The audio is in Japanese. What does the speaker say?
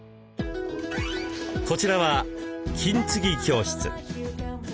こちらは金継ぎ教室。